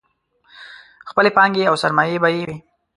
خپلې پانګې او سرمایې به یې وې.